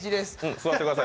座ってください。